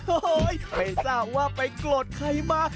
โอ้โหไม่ทราบว่าไปโกรธใครมา